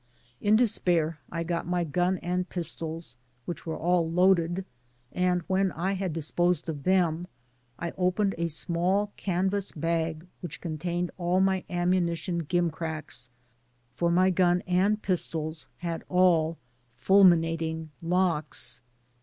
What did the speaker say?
In despair, I got my gun and pis« tols, which were all loaded, and when I had dis posed of them, I opened a small canvas bag which contained all my ammunition gimcracks, for my gun and pistols had all fulminating locks.